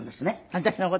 私の事？